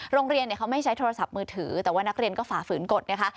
โรงเรียนเขาไม่ใช้โทรศัพท์มือถือแต่ว่านักเรียนก็ฝ่าฝืนกฎนะคะ